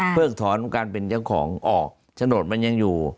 ถอนการเป็นเจ้าของออกโฉนดมันยังอยู่